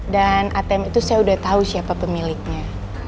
dan atm itu saya udah tau siapa pemiliknya